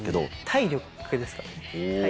体力ですね。